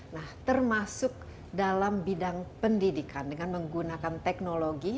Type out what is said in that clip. nah termasuk dalam bidang pendidikan dengan menggunakan teknologi